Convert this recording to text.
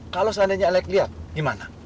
kalau seandainya elek lihat gimana